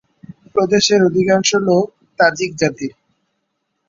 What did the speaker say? প্রদেশের অধিকাংশ লোক তাজিক জাতির।